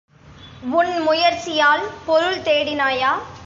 உன் முயற்சியால் பொருள் தேடினாயா?